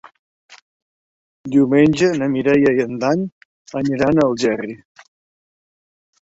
Diumenge na Mireia i en Dan aniran a Algerri.